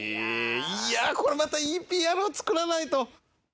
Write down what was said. いやこれまたいいＰＲを作らないと！